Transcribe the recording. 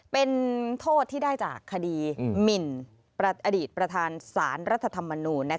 เป็นโทษที่ได้จากคดีหมินอดีตประธานสารรัฐธรรมนูล